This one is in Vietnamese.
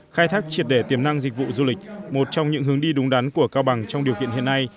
khai thác triệt để tiềm năng dịch vụ du lịch một trong những hướng đi đúng đắn của cao bằng trong điều kiện hiện nay